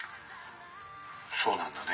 「そうなんだね